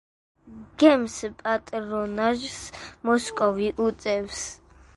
გემს პატრონაჟს მოსკოვი უწევს.